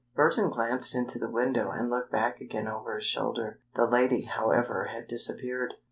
Burton glanced into the window and looked back again over his shoulder. The lady, however, had disappeared.